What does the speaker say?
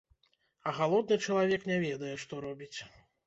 А галодны чалавек не ведае, што робіць.